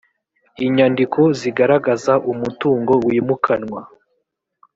inyandiko zigaragaza umutungo wimukanwa